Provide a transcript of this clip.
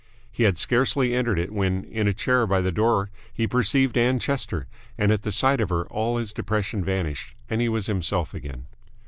He had scarcely entered it when in a chair by the door he perceived Ann Chester, and at the sight of her all his depression vanished and he was himself again.